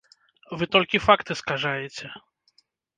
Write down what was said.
Вы толькі факты скажаеце!